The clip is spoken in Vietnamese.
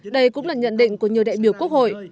đây cũng là nhận định của nhiều đại biểu quốc hội